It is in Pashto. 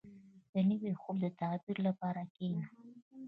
• د نوي خوب د تعبیر لپاره کښېنه.